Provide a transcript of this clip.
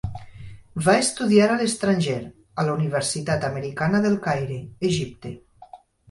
Va estudiar a l'estranger, a la Universitat Americana del Caire, Egipte.